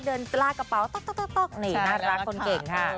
เดินปลากระเป๋าต๊อกนี่น่ารักคนเก่งค่ะ